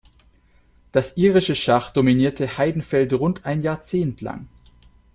Das irische Schach dominierte Heidenfeld rund ein Jahrzehnt lang.